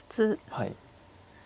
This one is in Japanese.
はい。